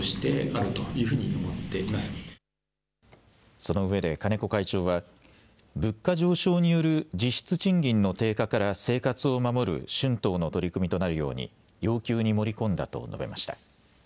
そのうえで金子会長は物価上昇による実質賃金の低下から生活を守る春闘の取り組みとなるように要求に盛り込んだと述べました。